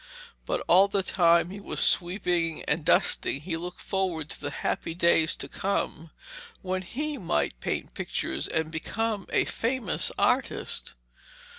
But all the time he was sweeping and dusting he looked forward to the happy days to come when he might paint pictures and become a famous artist.